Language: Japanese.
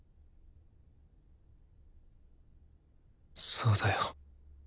そうだよ。